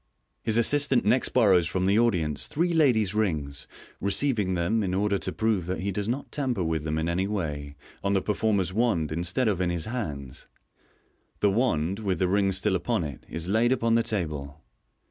His assistant next borrows from the audience three ladies' rings, receiving them, in order to prove that he does not tamper with them in any way, on the performer's wand instead of in his hands. The wand, with the rings still upon it, is laid upon the table.